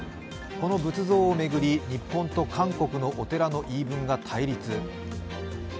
この仏像を巡り、日本と韓国のお寺の言い分が対立。